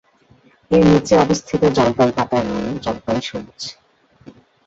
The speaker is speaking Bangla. এর নিচে অবস্থিত জলপাই পাতার রঙ জলপাই সবুজ।